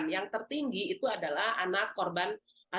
yang tertinggi itu adalah anak korban